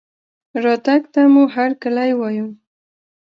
رتګ ته مو هرکلى وايو